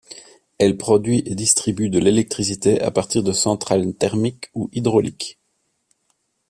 Elle produit et distribue de l'électricité à partir de centrales thermiques ou hydrauliques.